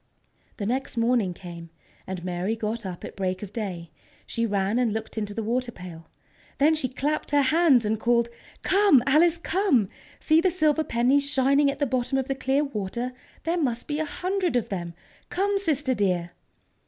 The next morning came, and Mary got up at break of day. She ran and looked into the water pail. Then she clapped her hands and called: "Come, Alice, come! See the silver pennies shining at the bottom of the clear water! There must be a hundred of them! Come, sister, dear!"